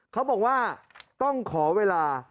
เขาบอกว่าต้องขอเวลา